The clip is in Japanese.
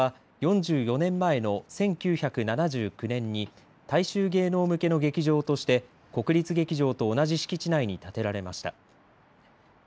国立演芸場は４４年前の１９７９年に大衆芸能向けの劇場として国立劇場と同じ敷地内に建てられました。